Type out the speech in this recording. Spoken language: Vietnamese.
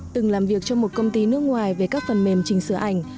từng làm việc trong một công ty nước ngoài về các phần mềm trình sửa ảnh